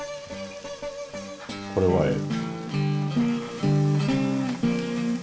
これはええ。